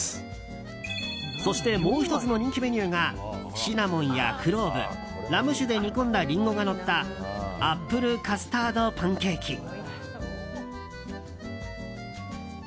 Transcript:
そしてもう１つの人気メニューがシナモンやクローブラム酒で煮込んだリンゴがのったアップルカスタードパンケーキ。